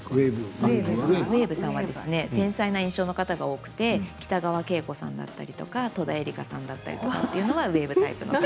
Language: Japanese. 繊細な印象の方が多くて北川景子さんだったり戸田恵梨香さんだったりというのはウエーブタイプです。